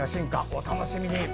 お楽しみに。